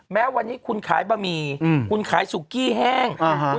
แม้วันนี้คุณขายบะหมี่คุณขายสุกี้แห้ง